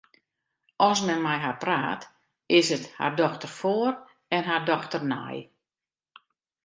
As men mei har praat, is it har dochter foar en har dochter nei.